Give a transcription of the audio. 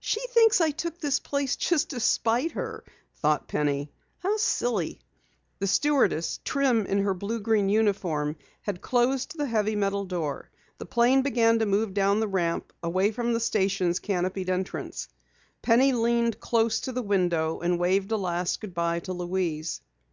"She thinks I took this place just to spite her!" thought Penny. "How silly!" The stewardess, trim in her blue green uniform, had closed the heavy metal door. The plane began to move down the ramp, away from the station's canopied entrance. Penny leaned close to the window and waved a last good bye to Louise.